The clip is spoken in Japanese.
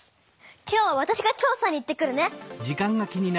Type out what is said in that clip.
今日はわたしが調さに行ってくるね！